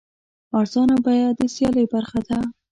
ارزانه بیه د سیالۍ برخه ده.